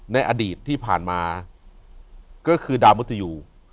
ในอดีตที่ผ่านมาก็คือดาวมุติยู